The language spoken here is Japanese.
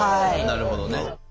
なるほどね。